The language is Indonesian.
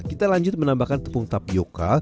kita lanjut menambahkan tepung tapioca